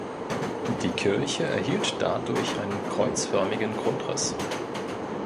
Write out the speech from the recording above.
Die Kirche erhielt dadurch einen kreuzförmigen Grundriss.